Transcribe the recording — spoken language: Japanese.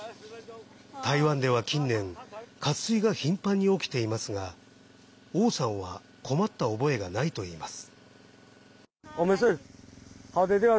台湾では近年渇水が頻繁に起きていますが王さんは困った覚えがないといいます。